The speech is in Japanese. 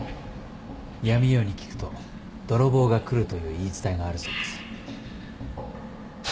闇夜に聞くと泥棒が来るという言い伝えがあるそうです。